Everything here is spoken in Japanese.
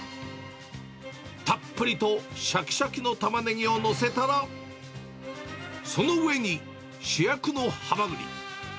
たっぷりとしゃきしゃきのタマネギを載せたら、その上に、主役のハマグリ。